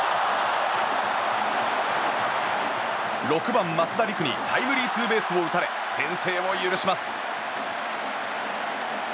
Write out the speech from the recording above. ６番、増田陸にタイムリーツーベースを打たれ先制を許します。